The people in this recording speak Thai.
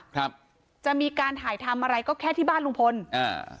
ครับจะมีการถ่ายทำอะไรก็แค่ที่บ้านลุงพลอ่า